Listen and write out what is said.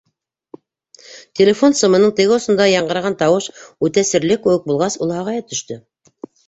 - Телефон сымының теге осонда яңғыраған тауыш үтә серле кеүек булғас, ул һағая төштө.